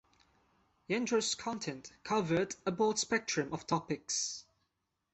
"Yandro"'s content covered a broad spectrum of topics.